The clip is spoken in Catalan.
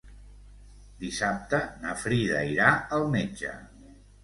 Dissabte na Frida irà al metge.